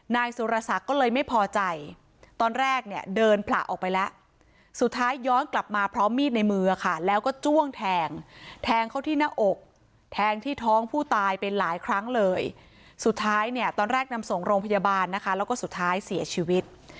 นายสุรศักดิ์ก็เลยไม่พอใจตอนแรกเนี่ยเดินผละออกไปแล้วสุดท้ายย้อนกลับมาพร้อมมีดในมือค่ะแล้วก็จ้วงแทงแทงเขาที่หน้าอกแทงที่ท้องผู้ตายไปหลายครั้งเลยสุดท้ายเนี่ยตอนแรกนำส่งโรงพยาบาลนะคะแล้วก็สุดท้ายเสียชีวิต